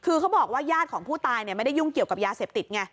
คือเขาบอกว่าญาติของผู้ตายไม่ได้ยุ่งเกี่ยวกับยาเสพติดไง